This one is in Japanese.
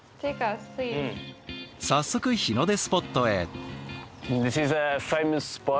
早速日の出スポットへ。